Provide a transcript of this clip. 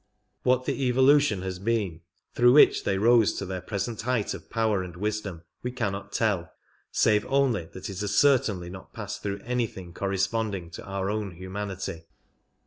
What the evolution has been through which they rose to their present height of power and wisdom we cannot tell, save only that it has certainly not passed through anything corresponding to our own humanity.